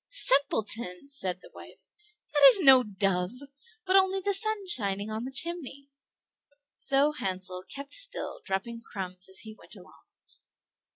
"Simpleton!" said the wife, "that is no dove, but only the sun shining on the chimney." So Hansel kept still dropping crumbs as he went along.